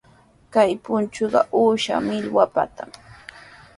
Kay punchuqa uusha millwapitami.